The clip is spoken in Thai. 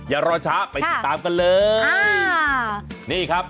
อย่ารอช้าไปติดตามกันเลยเสื้อยืนค่ะนี่ครับ